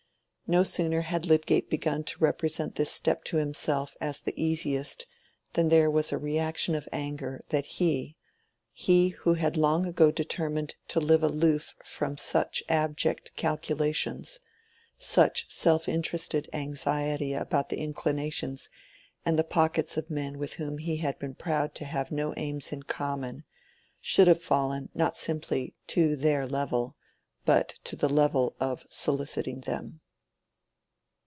No sooner had Lydgate begun to represent this step to himself as the easiest than there was a reaction of anger that he—he who had long ago determined to live aloof from such abject calculations, such self interested anxiety about the inclinations and the pockets of men with whom he had been proud to have no aims in common—should have fallen not simply to their level, but to the level of soliciting them.